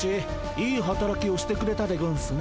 いいはたらきをしてくれたでゴンスな。